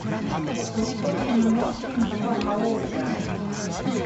ロット県の県都はカオールである